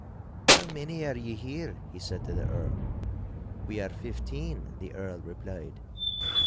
'How many are ye here?' he said to the Earl. 'We are fifteen,' the Earl replied.